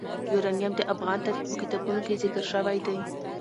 یورانیم د افغان تاریخ په کتابونو کې ذکر شوی دي.